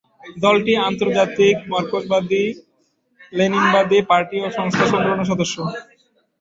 দলটি আন্তর্জাতিক মার্কসবাদী-লেনিনবাদী পার্টি ও সংস্থার সম্মেলনের সদস্য।